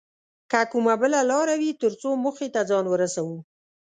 که کومه بله لاره وي تر څو موخې ته ځان ورسوو